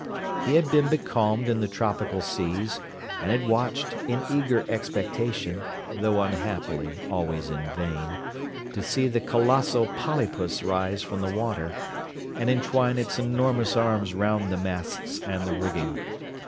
He had been becalmed in the tropical seas, and had watched, in eager expectation, though unhappily always in vain, to see the colossal polypus rise from the water, and entwine its enormous arms round the masts and the rigging.